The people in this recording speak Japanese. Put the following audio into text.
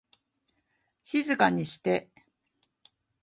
静かにして